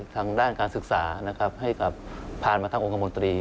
ทางด้านการศึกษาให้กับผ่านมาทางองค์กรมนตรี